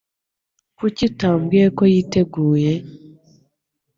Kuki utambwiye ko yiteguye?